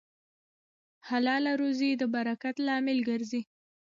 حلاله روزي د برکت لامل ګرځي.